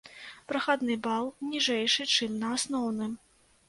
Прахадны бал ніжэйшы, чым на асноўным.